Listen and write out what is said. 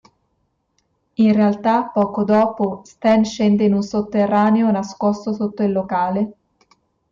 In realtà, poco dopo, Stan scende in un sotterraneo nascosto sotto il locale.